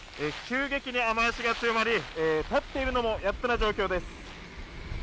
急激に雨脚が強まり立っているのもやっとな状況です。